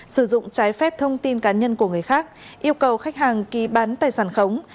sử dụng trái phép thông tin cá nhân của người khác yêu cầu khách hàng ký bán tài sản khống